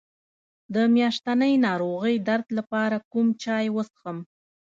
د میاشتنۍ ناروغۍ درد لپاره کوم چای وڅښم؟